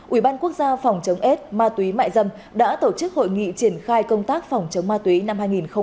ủy ban quốc gia phòng chống ết ma túy mại dâm đã tổ chức hội nghị triển khai công tác phòng chống ma túy năm hai nghìn hai mươi